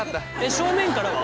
正面からは？